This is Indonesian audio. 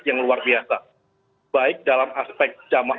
bagaimanapun juga organisasi sebesar nakdotal ulama itu pasti memiliki bobot politik